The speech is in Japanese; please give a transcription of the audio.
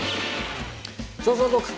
調査報告。